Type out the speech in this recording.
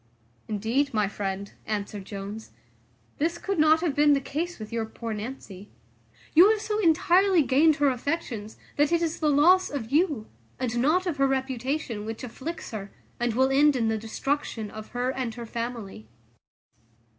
"Indeed, my friend," answered Jones, "this could not have been the case with your poor Nancy. You have so entirely gained her affections, that it is the loss of you, and not of her reputation, which afflicts her, and will end in the destruction of her and her family."